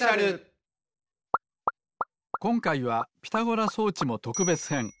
こんかいはピタゴラそうちもとくべつへん。